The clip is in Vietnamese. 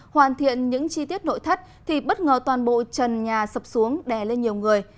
hoàn thiện những chi tiết nội thất thì bất ngờ toàn bộ trần nhà sập xuống đè lên nhiều người